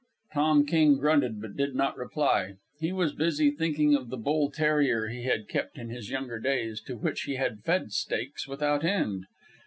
Tom King grunted, but did not reply. He was busy thinking of the bull terrier he had kept in his younger days to which he had fed steaks without end.